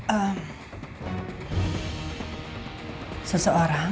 spara sudah selesai bekeran